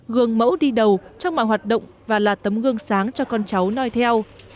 gương mẫu đi đầu trong mạng hoạt động và là tấm gương sáng cho con cháu noi theo